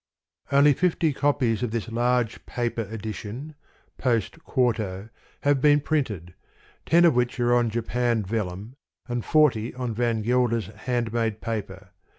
Only Fifty copUs of this Large Paper Edition {Post 4to.) have been printed, ten of which are on Japan Vellum, and forty on Van Gelder's hand made paper.